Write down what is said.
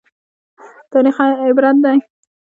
تاریخ عبرت دی